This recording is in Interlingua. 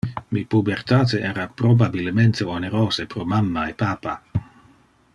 Mi pubertate era probabilemente onerose pro mamma e papa.